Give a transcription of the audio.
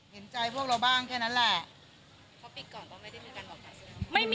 เห็นใจพวกเราบ้างแค่นั้นแหละ